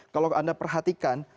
kalau anda perhatikan